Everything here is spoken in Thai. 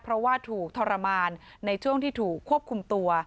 เพราะว่าถูกทรมานในช่วงที่ถูกควบคุมตัว